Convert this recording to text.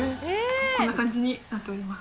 こんな感じになっております。